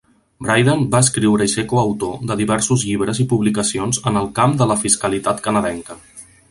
Bryden va escriure i ser coautor de diversos llibres i publicacions en el camp de la fiscalitat canadenca.